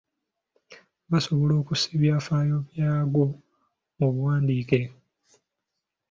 Gasobola okussa ebyafaayo byago mu buwandiike.